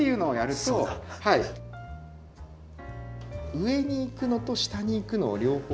上に行くのと下に行くのを両方。